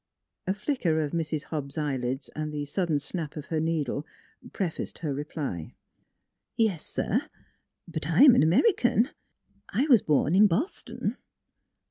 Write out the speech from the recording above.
A flicker of Mrs. Hobbs' eyelids and the sud den snap of her needle prefaced her reply. " Yes, sir; but I'm an American. I was born in Boston."